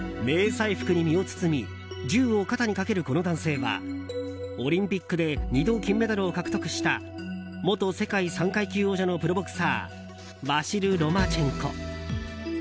迷彩服に身を包み銃を肩にかけるこの男性はオリンピックで２度金メダルを獲得した元世界３階級王者のプロボクサーワシル・ロマチェンコ。